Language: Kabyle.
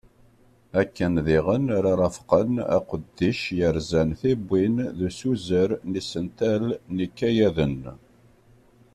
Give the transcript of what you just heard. Akken diɣen ara rafqen aqeddic yerzan tiwwin d usuzer n yisental n yikayaden.